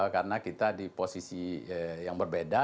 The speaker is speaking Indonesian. karena kita di posisi yang berbeda